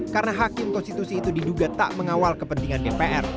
karena hakim konstitusi itu diduga tak mengawal kepentingan dpr